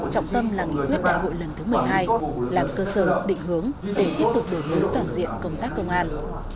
trọng tâm là nghị quyết đại hội lần thứ một mươi hai làm cơ sở định hướng để tiếp tục đổi mới toàn diện công tác công an